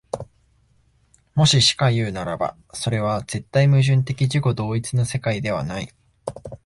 もししかいうならば、それは絶対矛盾的自己同一の世界ではない。